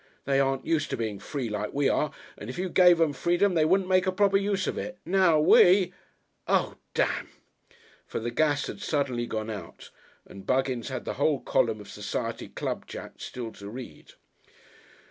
They aren't used to being free like we are, and if you gave 'em freedom they wouldn't make a proper use of it. Now we . Oh, Damn!" For the gas had suddenly gone out and Buggins had the whole column of Society Club Chat still to read.